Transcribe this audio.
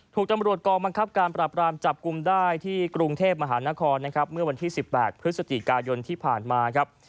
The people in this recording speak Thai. ถูกตำรวจกองบังคับการปราบรามจับกลุ่มได้ที่กรุงเทพมหานครนะครับเมื่อวันที่๑๘พฤศจิกายนที่ผ่านมาครับ